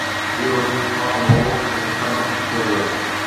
اهو هڪ خواب هو، هڪ سبق سکيو ويو